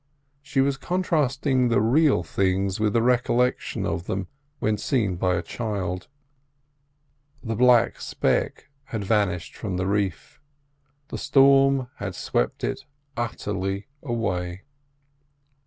She was contrasting the real things with the recollection of them when seen by a child. The black speck had vanished from the reef; the storm had swept it utterly away.